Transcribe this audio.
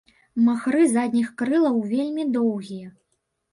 Махры задніх крылаў вельмі доўгія.